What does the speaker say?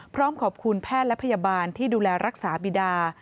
พร้อมขอบคุณแพทย์และพยาบาลที่ดูแลรักษาบิดา